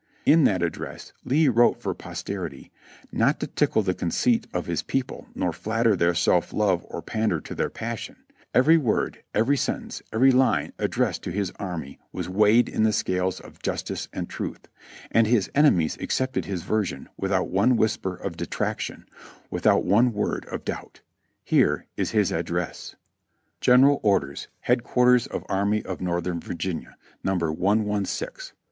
In that address Lee wrote for posterity, not to tickle the conceit of his people nor flatter their self love or pander to their passion; every word, every sentence, every line addressd to his army was weighed in the scales of justice and truth, and his enemies ac cepted his version without one whisper of detraction — without one word of doubt. Here is his address : "General Orders Headquarters of Army of Northern Virginia, "No. ii6.